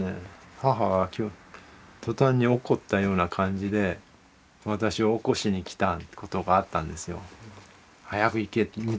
母が途端に怒ったような感じで私を起こしに来たことがあったんですよ。早く行けみたいな感じでね。